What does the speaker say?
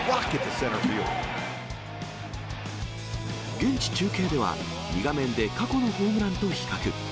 現地中継では、２画面で過去のホームランと比較。